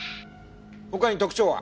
他に特徴は？